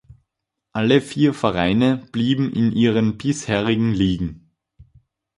Alle vier Vereine blieben in ihren bisherigen Ligen.